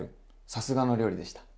さすがの料理でした。